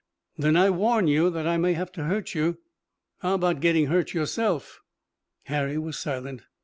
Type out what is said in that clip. "Then I warn you that I may have to hurt you." "How about getting hurt yourself?" Harry was silent.